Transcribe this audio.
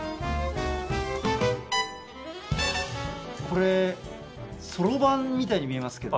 これそろばんみたいに見えますけど。